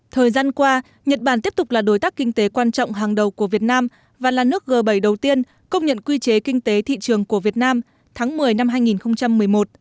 thời gian qua nhật bản tiếp tục là đối tác kinh tế quan trọng hàng đầu của việt nam và là nước g bảy đầu tiên công nhận quy chế kinh tế thị trường của việt nam tháng một mươi năm hai nghìn một mươi một